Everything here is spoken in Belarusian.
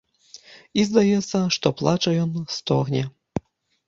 І здаецца, што плача ён, стогне.